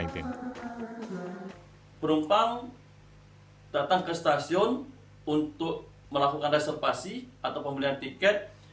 penumpang datang ke stasiun untuk melakukan reservasi atau pembelian tiket